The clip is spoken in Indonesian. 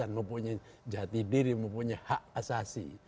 mempunyai jati diri mempunyai hak asasi